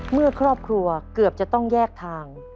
เมื่อครอบครัวเกือบจะต้องแยกทาง